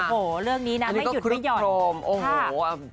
โอ้โหเรื่องนี้นะไม่หยุดไม่หย่อนใช่